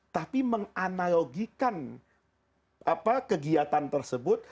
tapi menganalogikan kegiatan tersebut